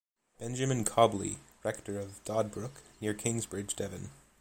Benjamin Cobley, rector of Dodbrooke, near Kingsbridge, Devon.